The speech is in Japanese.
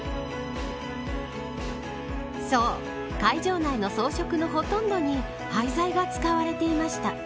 そう会場内の装飾のほとんどに廃材が使われていました。